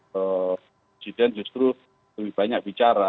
presiden justru lebih banyak bicara